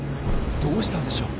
どうしたんでしょう？